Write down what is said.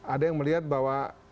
ada yang melihat bahwa